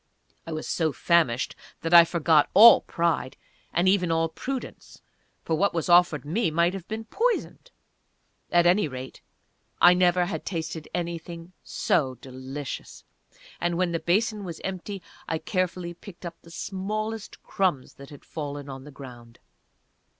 I was so famished that I forgot all pride, and even all prudence (for what was offered me might have been poisoned)! At any rate, I never had tasted anything so delicious; and when the basin was empty I carefully picked up the smallest crumbs that had fallen on the ground.